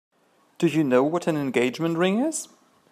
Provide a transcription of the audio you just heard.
Do you know what an engagement ring is?